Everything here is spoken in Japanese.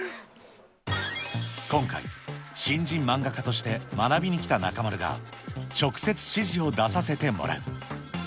今回、新人漫画家として学びに来た中丸が、直接指示を出させてもらう。